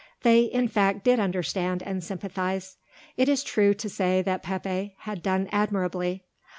They in fact did understand and sympathize. It is true to say that Pepe had done admirably.